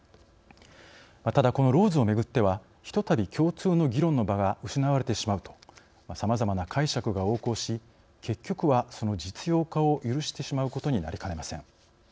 ただこのＬＡＷＳをめぐってはひとたび共通の議論の場が失われてしまうとさまざまな解釈が横行し結局はその実用化を許してしまうことになりかねません。